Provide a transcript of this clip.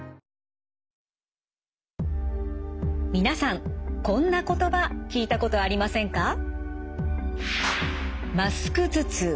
皆さんこんな言葉聞いたことありませんか？